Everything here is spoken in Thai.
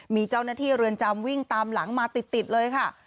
มีเจ้าหน้าที่เรือนจำวิ่งตามหลังมาติดเลยค่ะ